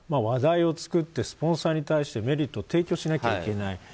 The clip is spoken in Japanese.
話題を作ってスポンサーに対してメリットを提供しないといけない。